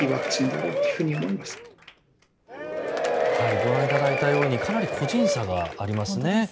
ご覧いただいたようにかなり個人差がありますね。